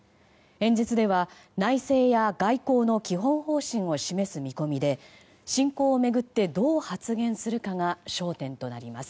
演説では、内政や外交の基本方針を示す見込みで侵攻を巡ってどう発言するかが焦点となります。